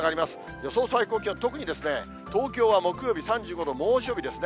予想最高気温、特にですね、東京は木曜日３５度、猛暑日ですね。